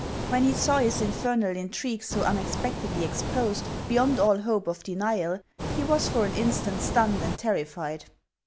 "When he saw his infernal intrigue so unexpectedly ex posed, beyond all hope of denial, he was for an instant stunned and terrified.